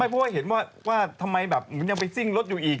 ไม่เพราะว่าเห็นว่าทำไมยังไปซิ่งรถอยู่อีก